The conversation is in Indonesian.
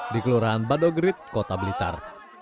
di kelurahan badogrit kota blitar